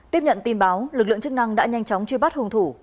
tiếp nhận tin báo lực lượng chức năng đã nhanh chóng truy bắt hung thủ